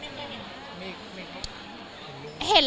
มีใครเห็น